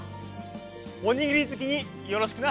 おにぎりずきによろしくな！